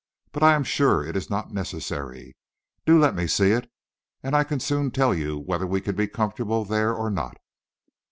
But I am sure it is not necessary. Do let me see it, and I can soon tell you whether we can be comfortable there or not."